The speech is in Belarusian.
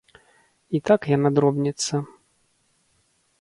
І так яна дробніцца.